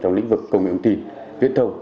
trong lĩnh vực công nghệ thông tin viễn thông